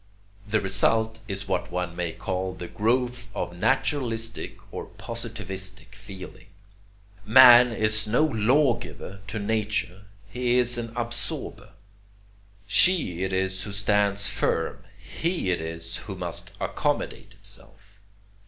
The result is what one may call the growth of naturalistic or positivistic feeling. Man is no law giver to nature, he is an absorber. She it is who stands firm; he it is who must accommodate himself.